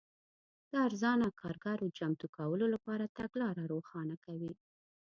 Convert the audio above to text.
د ارزانه کارګرو چمتو کولو لپاره تګلاره روښانه کوي.